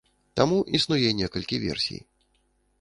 Таму існуе некалькі версій.